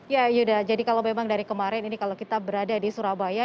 ya yuda jadi kalau memang dari kemarin ini kalau kita berada di surabaya